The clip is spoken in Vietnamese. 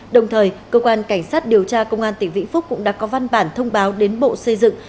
đồng thời cơ quan cảnh sát điều tra công an tỉnh vĩnh phúc cũng đã có văn bản thông báo đến bộ xây dựng